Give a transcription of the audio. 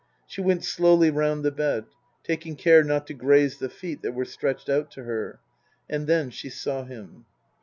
She went slowly round the bed, taking care not to graze the feet that were stretched out to her. And then she saw him.